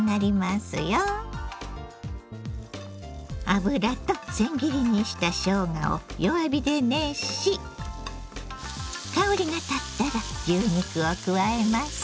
油とせん切りにしたしょうがを弱火で熱し香りがたったら牛肉を加えます。